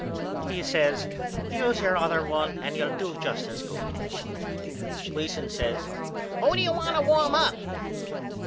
He says Use your other one and you'll do just as good. Gleason says Who do you want to warm up?